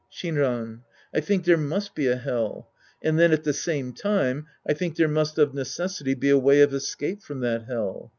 Shinran. I think there must be a Hell. And then, at the same time, I ihink there must of neces sity be a way of escape from that Hell.